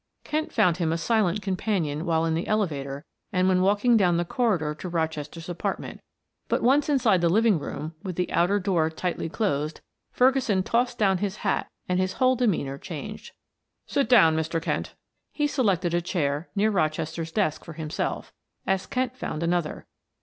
Kent found him a silent companion while in the elevator and when walking down the corridor to Rochester's apartment, but once inside the living room, with the outer door tightly closed, Ferguson tossed down his hat and his whole demeanor changed. "Sit down, Mr. Kent." He selected a chair near Rochester's desk for himself, as Kent found another.